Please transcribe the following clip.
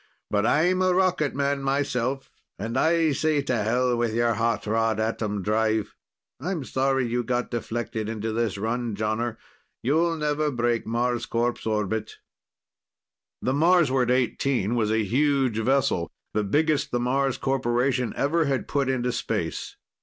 "But I'm a rocket man, myself, and I say to hell with your hot rod atom drive. I'm sorry you got deflected into this run, Jonner; you'll never break Marscorp's orbit." The Marsward XVIII was a huge vessel, the biggest the Mars Corporation ever had put into space.